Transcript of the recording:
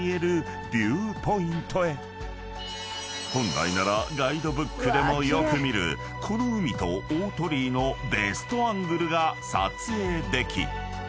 ［本来ならガイドブックでもよく見るこの海と大鳥居のベストアングルが撮影でき］